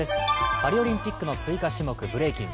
パリオリンピックの追加種目ブレイキン。